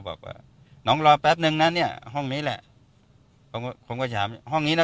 บอกว่าน้องรอแป๊บนึงนะเนี่ยห้องนี้แหละผมก็ถามห้องนี้นะ